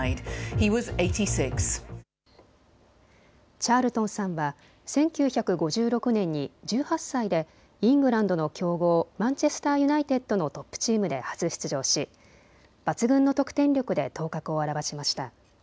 チャールトンさんは１９５６年に１８歳でイングランドの強豪、マンチェスターユナイテッドのトップチームで初出場し抜群の得点力で頭角を現しました。